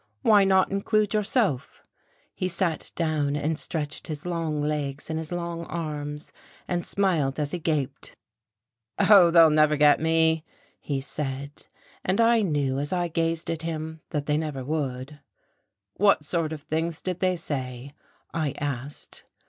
Why not include yourself?" He sat down and stretched his long legs and his long arms, and smiled as he gaped. "Oh, they'll never get me," he said. And I knew, as I gazed at him, that they never would. "What sort of things did they say?" I asked.